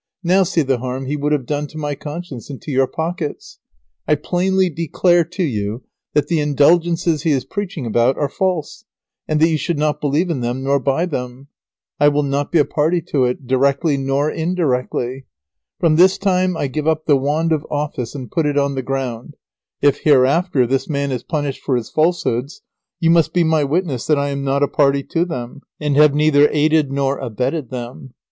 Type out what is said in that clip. Now see the harm he would have done to my conscience and to your pockets. [Sidenote: Sham denunciation of the Indulgences by the constable.] I plainly declare to you that the Indulgences he is preaching about are false, and that you should not believe in them nor buy them. I will not be a party to it, directly nor indirectly. From this time I give up the wand of office and put it on the ground. If hereafter this man is punished for his falsehoods, you must be my witness that I am not a party to them, and have neither aided nor abetted them.